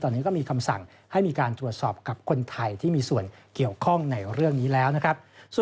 ตอนนี้ก็มีคำสั่งให้มีการตรวจสอบกับคนไทยที่มีส่วนเกี่ยวข้องในเรื่องนี้แล้วนะครับ